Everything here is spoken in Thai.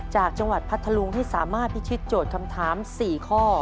จากจังหวัดพัทธลุงให้สามารถพิชิตโจทย์คำถาม๔ข้อ